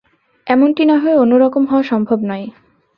এমনটি না হয়ে অন্য রকম হওয়া সম্ভব নয়।